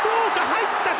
入ったか！